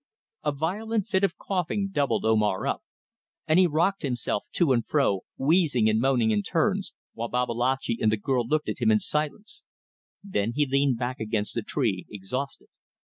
A violent fit of coughing doubled Omar up, and he rocked himself to and fro, wheezing and moaning in turns, while Babalatchi and the girl looked at him in silence. Then he leaned back against the tree, exhausted.